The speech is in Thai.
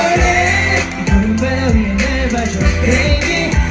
เยี่ยมมาก